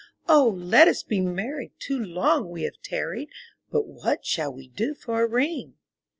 Oh! let us be married! too long we have tarried; But what shall we do for a ring?''